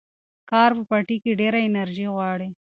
کار په پټي کې ډېره انرژي غواړي.